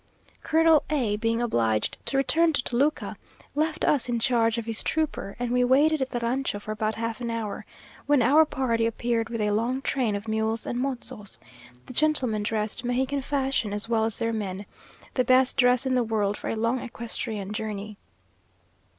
Colonel A being obliged to return to Toluca, left us in charge of his trooper, and we waited at the rancho for about half an hour, when our party appeared with a long train of mules and mozos; the gentlemen dressed Mexican fashion as well as their men; the best dress in the world for a long equestrian journey.